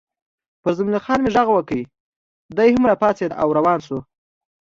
پر زلمی خان مې غږ وکړ، دی هم را پاڅېد او روان شو.